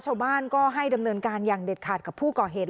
ชาวบ้านก็ให้ดำเนินการอย่างเด็ดขาดกับผู้ก่อเหตุ